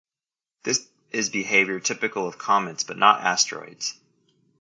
This is behavior typical of comets but not asteroids.